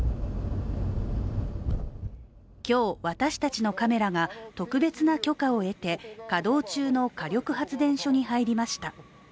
今日、私たちのカメラが特別な許可を得て稼働中の火力発電所に入りました。